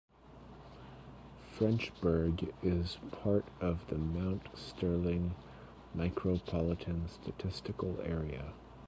Frenchburg is part of the Mount Sterling Micropolitan Statistical Area.